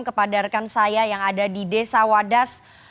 kepada rekan saya yang ada di desa wadas